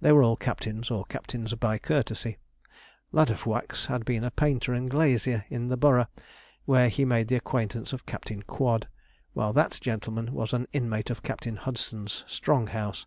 They were all captains, or captains by courtesy. Ladofwax had been a painter and glazier in the Borough, where he made the acquaintance of Captain Quod, while that gentleman was an inmate of Captain Hudson's strong house.